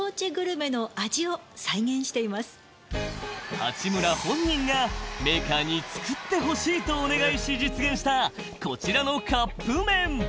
八村本人がメーカーに作って欲しいとお願いし実現した、こちらのカップ麺。